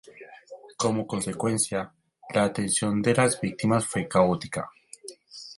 Como consecuencia, la atención de las víctimas fue caótica.